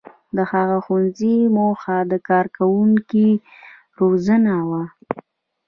• د هغه ښوونځي موخه د کارکوونکو روزنه وه.